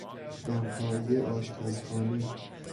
دمپایی آشپزخانه